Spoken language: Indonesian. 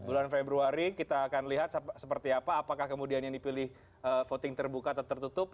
bulan februari kita akan lihat seperti apa apakah kemudian yang dipilih voting terbuka atau tertutup